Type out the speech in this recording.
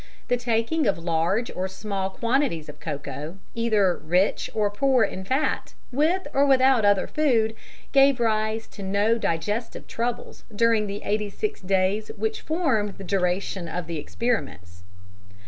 The taking of large or small quantities of cocoa, either rich or poor in fat, with or without other food, gave rise to no digestive troubles during the 86 days which formed the duration of the experiments."